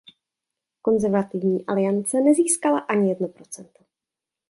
Konzervativní aliance nezískala ani jedno procento.